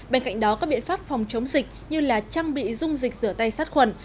bên cạnh đó các biện pháp phòng chống dịch như trang bị dung dịch rửa tay sát khuẩn